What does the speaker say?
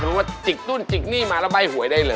สมมุติว่าจิกตุ้นจิกนี่มาแล้วใบ้หวยได้เลย